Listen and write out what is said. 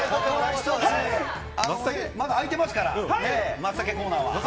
まだあいてますから、マツタケコーナーは。